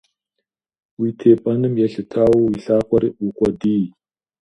Уи тепӏэным елъытауэ, уи лъакъуэр укъуэдий.